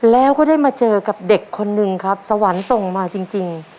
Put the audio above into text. แล้วก็ได้มาเจอกับเด็กคนนึงครับสวรรค์ส่งมาจริง